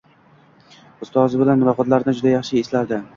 Ustozi bilan muloqotlarini juda yaxshi eslardi